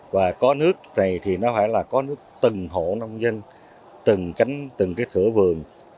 và có nước này thì nó phải là có nước từng hộ nông dân từng cái thửa vườn